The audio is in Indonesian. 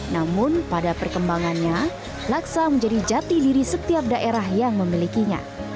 namun pada perkembangannya laksa menjadi jati diri setiap daerah yang memilikinya